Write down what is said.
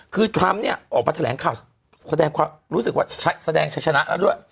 คือทรัมป์เนี่ยออกมาแถลงข่าวแสดงความรู้สึกว่าแสดงชัยชนะแล้วด้วย